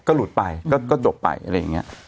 ก็หลุดไปก็จบไปอะไรอย่างนี้